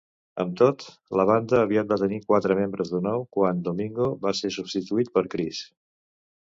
Amb tot, la banda aviat va tenir quatre membres de nou quan Domingo va ser substituït per Chris.